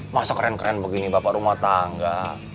masa keren keren begini bapak rumah tangga